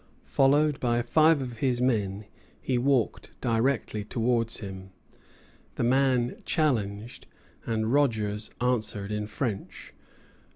Followed by five of his men, he walked directly towards him. The man challenged, and Rogers answered in French.